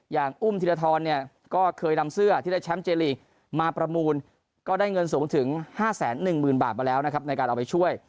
อย่างอุ้มธิรทรเนี่ยก็เคยนำเสื้อที่ได้แชมป์เจลีกมาประมูลก็ได้เงินสูงถึง๕๑๐๐๐บาทมาแล้วนะครับในการเอาไปช่วย